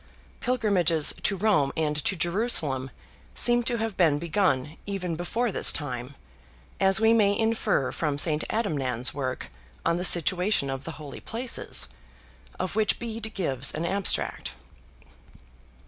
Pilgrimages to Rome and to Jerusalem seem to have been begun even before this time, as we may infer from St. Adamnan's work on the situation of the Holy Places, of which Bede gives an abstract.